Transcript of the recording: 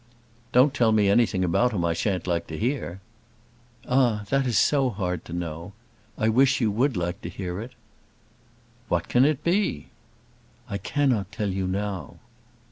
"Don't tell me anything about him I shan't like to hear." "Ah; that is so hard to know. I wish you would like to hear it." "What can it be?" "I cannot tell you now."